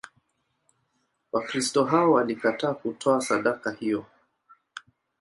Wakristo hao walikataa kutoa sadaka hiyo.